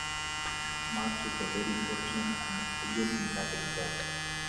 March is a very original and idiosyncratic poet.